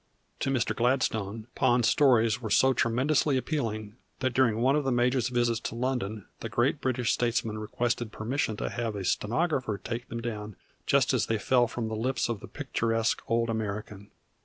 To Mr. Gladstone, Pond's stories were so tremendously appealing that during one of the major's visits to London the great British statesman requested permission to have a stenographer take them down just as they fell from the lips of the picturesque old American.